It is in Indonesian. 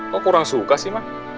kok kurang suka sih mak